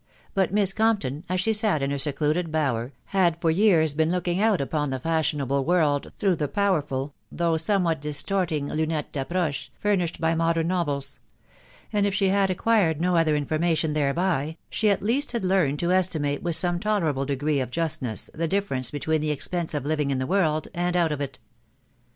But Miss Compton, as she sat in her secluded bower, had for years been looking out upon the fashionable world through the powerful, though somewhat distorting lunette d'approche, furnished by modern novels ; and if she had ac quired no other information thereby, she at least had learned to estimate with some tolerable degree of justness the differ ence between the expense of living in the world, and out of it.